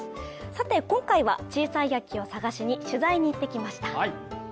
さて、今回は小さい秋を探しに取材に行ってきました。